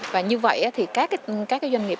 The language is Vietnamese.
và như vậy thì các doanh nghiệp